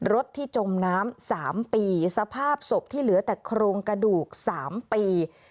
รถที่จมน้ำ๓ปีสภาพศพที่เหลือแต่โครงกระดูก๓ปี